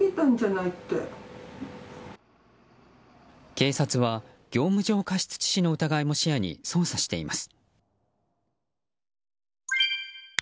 警察は業務上過失致死の疑いも視野に捜査しています。